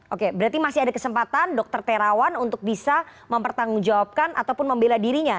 oke berarti masih ada kesempatan dokter terawan untuk bisa mempertanggungjawabkan ataupun membela dirinya